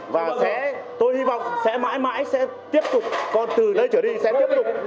và tôi hy vọng sẽ mãi mãi sẽ tiếp tục còn từ nơi trở đi sẽ tiếp tục